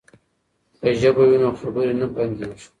که ژبه وي نو خبرې نه بندیږي.